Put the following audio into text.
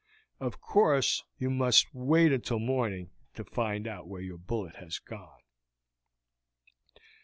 Of course you must wait until morning to find out where your bullet has gone."